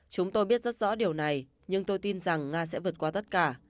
chúng tôi biết rất rõ điều này nhưng tôi tin rằng nga sẽ vượt qua tất cả